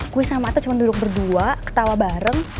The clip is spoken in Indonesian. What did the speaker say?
gue sama ata cuma duduk berdua ketawa bareng